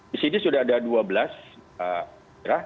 di sini sudah ada dua belas